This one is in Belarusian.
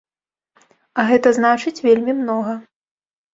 А гэта значыць вельмі многа.